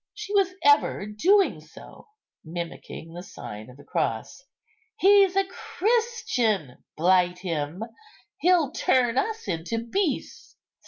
She was ever doing so" (mimicking the sign of the cross). "He's a Christian, blight him! he'll turn us into beasts."